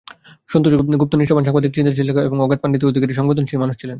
সন্তোষ গুপ্ত নিষ্ঠাবান সাংবাদিক, চিন্তাশীল লেখক এবং অগাধ পাণ্ডিত্যের অধিকারী সংবেদনশীল মানুষ ছিলেন।